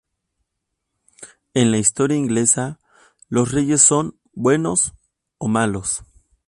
En la historia inglesa, los reyes son "buenos" o "malos".